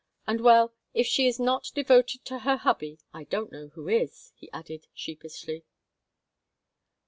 And, well, if she is not devoted to her hubby, I don't know who is," he added, sheepishly.